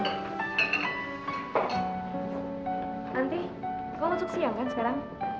nanti kalau masuk siang kan sekarang